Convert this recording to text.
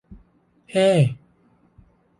เฮ้